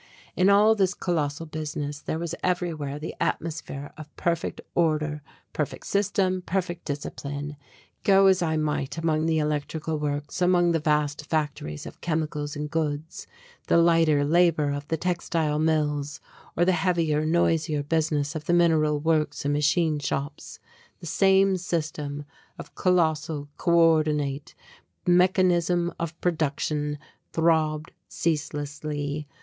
In all this colossal business there was everywhere the atmosphere of perfect order, perfect system, perfect discipline. Go as I might among the electrical works, among the vast factories of chemicals and goods, the lighter labor of the textile mills, or the heavier, noisier business of the mineral works and machine shops the same system of colossal coordinate mechanism of production throbbed ceaselessly.